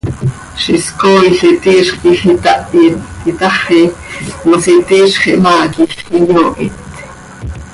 Ziix is cooil iti iizx quij itahit itaxi, mos iti iizx ihmaa quij iyoohit.